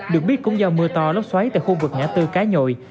được biết cũng do mưa to lóc xoáy tại khu vực nhã tư cá nhồi